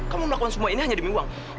kamu melakukan semua ini hanya demi uang